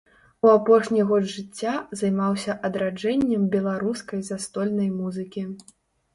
У апошні год жыцця займаўся адраджэннем беларускай застольнай музыкі.